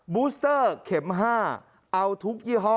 บูสเตอร์เข็ม๕เอาทุกยี่ห้อ